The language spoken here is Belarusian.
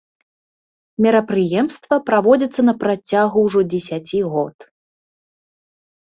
Мерапрыемства праводзіцца на працягу ўжо дзесяці год.